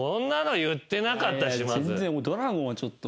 全然ドラゴンはちょっと。